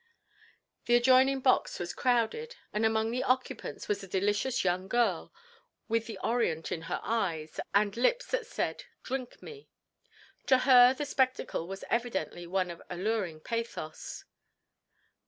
The adjoining box was crowded, and among the occupants was a delicious young girl, with the Orient in her eyes, and lips that said Drink me. To her the spectacle was evidently one of alluring pathos.